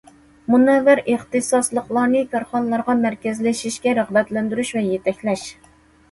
مۇنەۋۋەر ئىختىساسلىقلارنى كارخانىلارغا مەركەزلىشىشكە رىغبەتلەندۈرۈش ۋە يېتەكلەش.